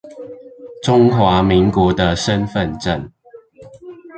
中華民國的身分證